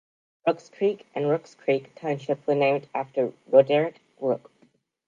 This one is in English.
Rooks Creek and Rooks Creek Township were named after Roderick Rook.